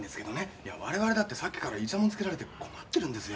いや我々だってさっきからイチャモンつけられて困ってるんですよ。